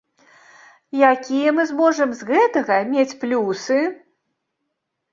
Якія мы зможам з гэтага мець плюсы?